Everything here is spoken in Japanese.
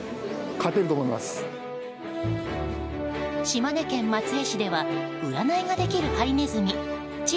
島根県松江市では占いができるハリネズミちぃ